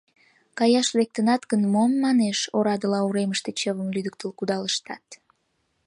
— Каяш лектынат гын, мом, — манеш, — орадыла уремыште чывым лӱдыктыл кудалыштат?